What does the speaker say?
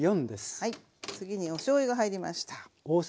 次におしょうゆが入りました。